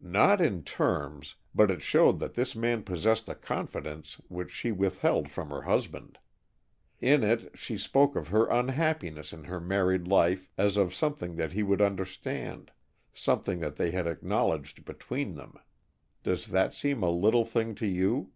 "Not in terms. But it showed that this man possessed a confidence which she withheld from her husband. In it she spoke of her unhappiness in her married life as of something that he would understand, something that they had acknowledged between them. Does that seem a little thing to you?"